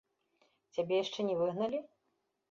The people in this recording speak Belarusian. Цябе яшчэ не выгналі?